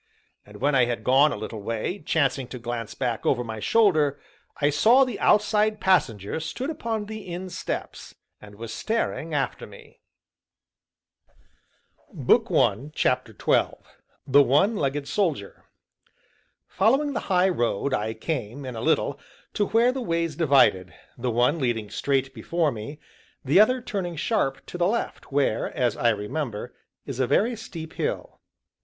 And when I had gone a little way, chancing to glance back over my shoulder, I saw that the Outside Passenger stood upon the inn steps, and was staring after me. CHAPTER XII THE ONE LEGGED SOLDIER Following the high road, I came, in a little, to where the ways divided, the one leading straight before me, the other turning sharp to the left, where (as I remember) is a very steep hill.